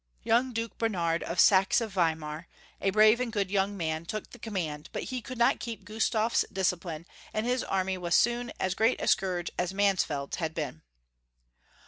Young Duke Bernard of Saxe Weimar, a brave and good young man, took the command, but he could not keep Gustaf 's discipline, and his army was soon as great a. scourge as Mansfeld's had been.